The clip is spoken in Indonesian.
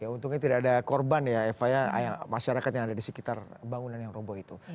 untungnya tidak ada korban ya eva ya masyarakat yang ada di sekitar bangunan yang roboh itu